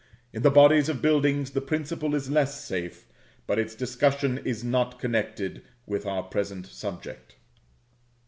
In the bodies of buildings the principle is less safe, but its discussion is not connected with our present subject.